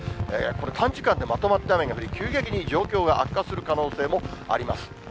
これ、短時間でまとまった雨が降り、急激に状況が悪化する可能性もあります。